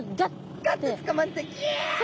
ガッてつかまれてギャッ！